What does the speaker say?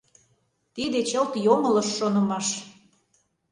Тиде чылт йоҥылыш шонымаш.